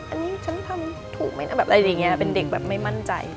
อันนี้ฉันทำถูกไหมนะแบบอะไรอย่างนี้เป็นเด็กแบบไม่มั่นใจ